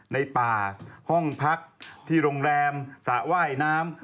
ในป่าห้องพักที่โรงแรมสระว่ายน้ำ